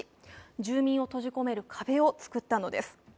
住民を閉じ込める壁をつくったのです。